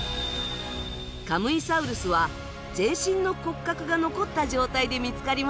カムイサウルスは全身の骨格が残った状態で見つかりました。